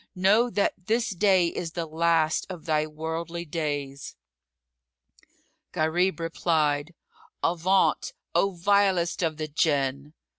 Know that this day is the last of thy worldly days." Gharib replied, "Avaunt,[FN#39] O vilest of the Jann!"